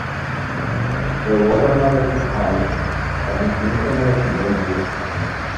তার রজার নামের একটি ভাই এবং জেনিফার নামে একটি বোন রয়েছে।